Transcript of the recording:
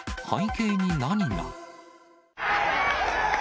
背景に何が？